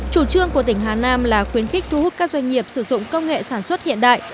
chủ trương của tỉnh hà nam là khuyến khích thu hút các doanh nghiệp sử dụng công nghệ sản xuất hiện đại